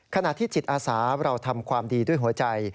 ขณะที่จิตอาสาเราทำความดีด้วยหัวใจ